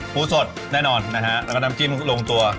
สดแน่นอนนะฮะแล้วก็น้ำจิ้มลงตัว